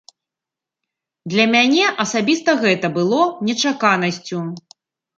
Для мяне асабіста гэта было нечаканасцю.